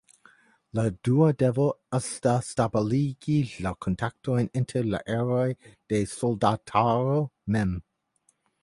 La dua devo esta stabiligi la kontaktojn inter la eroj de soldataro mem.